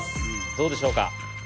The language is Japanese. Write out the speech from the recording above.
どうでしょうか。